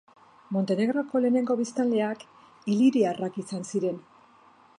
Montenegroko lehenengo biztanleak iliriarrak izan ziren.